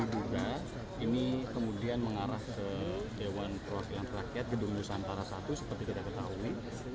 dewan perwakilan rakyat gedung nusantara i seperti kita ketahui